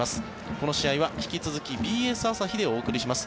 この試合は引き続きＢＳ朝日でお送りします。